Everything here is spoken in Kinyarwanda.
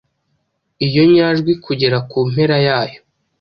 iyo nyajwi kugera ku mpera yayo.